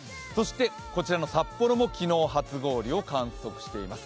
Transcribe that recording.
こちらの札幌も昨日、初氷を観測しています。